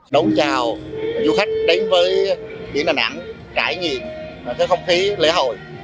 đón chào du khách đến với biển đà nẵng trải nghiệm cái không khí lễ hội